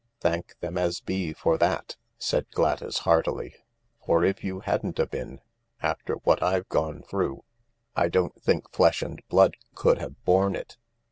" Thank them as be for that !" said Gladys heartily, » for if you hadn't a bin, after what I've gone through, I don't think flesh and blood could ha ve borne it